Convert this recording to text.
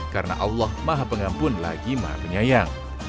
karena allah maha pengampun lagi maha penyayang